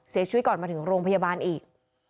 เสียชีวิตก่อนมาถึงโรงพยาบาลอีก